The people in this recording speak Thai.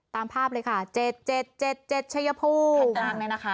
ตามภาพเลยค่ะเจ็ดเจ็ดเจ็ดเจ็ดชายภูมิคันตรางน่ะนะคะ